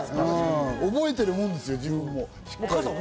覚えているもんですよ、自分も。